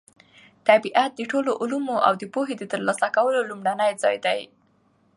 طبیعت د ټولو علومو او پوهې د ترلاسه کولو لومړنی ځای دی.